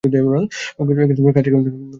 কাজ কেমন গেলো?